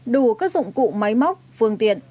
đủ các dụng cụ máy móc phương tiện